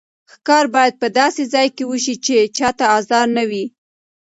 ښکار باید په داسې ځای کې وشي چې چا ته ازار نه وي.